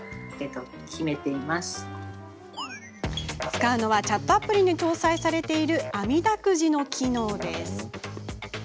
使うのは、チャットアプリに搭載されているあみだくじの機能。